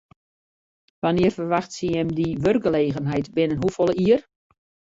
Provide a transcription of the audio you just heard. Wannear ferwachtsje jim dy wurkgelegenheid, binnen hoefolle jier?